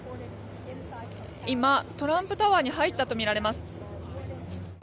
今、トランプタワーに入ったとみられます。